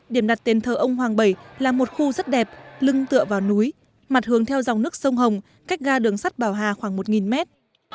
điểm đặt tên thờ ông hoàng bảy là một khu rất đẹp lưng tựa vào núi mặt hướng theo dòng nước sông hồng cách ga đường sắt bảo hà khoảng một mét